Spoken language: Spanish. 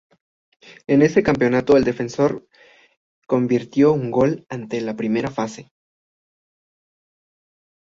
En ese campeonato el defensor convirtió un gol ante en la primera fase.